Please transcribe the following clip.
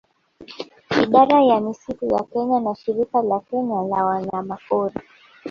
Idara ya misitu ya Kenya na Shirika la Kenya la Wanyamapori